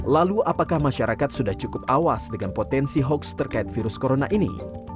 lalu apakah masyarakat sudah cukup awas dengan potensi hoax terkait virus corona ini